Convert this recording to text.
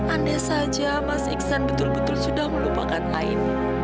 andai saja mas iksan betul betul sudah melupakan lain